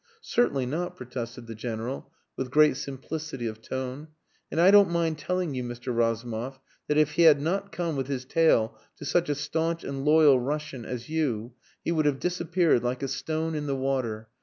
"Certainly not," protested the General, with great simplicity of tone. "And I don't mind telling you, Mr. Razumov, that if he had not come with his tale to such a staunch and loyal Russian as you, he would have disappeared like a stone in the water...